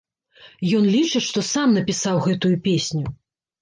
Ён лічыць, што сам напісаў гэтую песню.